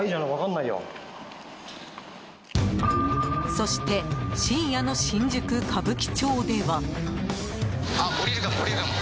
そして深夜の新宿・歌舞伎町では。